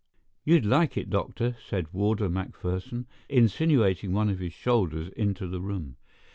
"You'd like it, doctor," said Warder McPherson, insinuating one of his shoulders into the room.